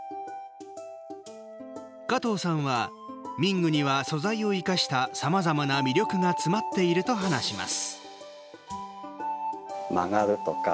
加藤さんは民具には素材を生かしたさまざまな魅力が詰まっていると話します。